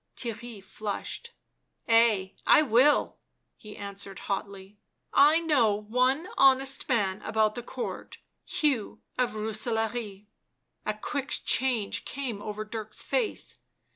" Theirry flushed. " Ay, I will," he answered hotly. C£ I know one honest man about the Court— Hugh of Booselaare. " A quick change came over Dirk's face.